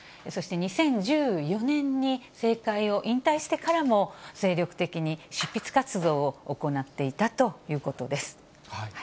そして２０１４年に政界を引退してからも、精力的に執筆活動を行っていたということです。